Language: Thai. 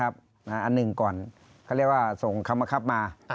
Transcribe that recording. อันหนึ่งก่อนเขาเรียกว่าส่งคำมะคับมา